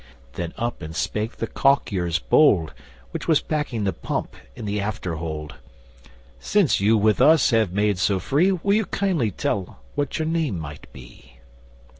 Then up and spake the caulkyers bold, Which was packing the pump in the after hold: 'Since you with us have made so free, Will you kindly tell what your name might be?